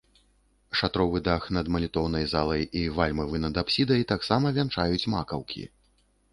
Шатровы дах над малітоўнай залай і вальмавы над апсідай таксама вянчаюць макаўкі.